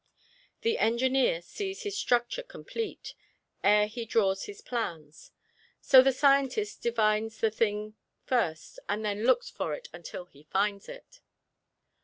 The engineer sees his structure complete, ere he draws his plans. So the scientist divines the thing first and then looks for it until he finds it.